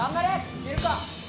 いけるか？